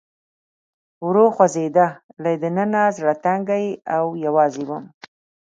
ورو خوځېده، له دننه زړه تنګی او یوازې ووم.